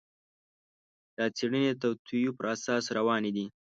دا څېړنې د توطیو پر اساس روانې دي.